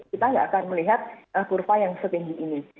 kita nggak akan melihat kurva yang setinggi ini